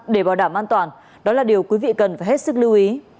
để bảo đảm an toàn đó là điều quý vị cần phải hết sức lưu ý